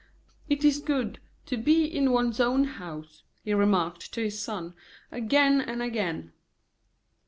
"Ah! it is good to be in one's own house!" he remarked to his son again and again.